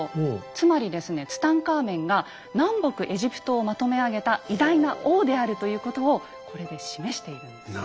つまりですねツタンカーメンが南北エジプトをまとめあげた偉大な王であるということをこれで示しているんですね。